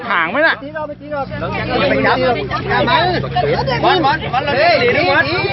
มันได้นิ่งซับรูห์นนิ่ม